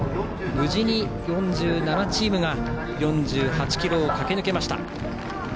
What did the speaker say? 無事に４７チームが４８ｋｍを駆け抜けました。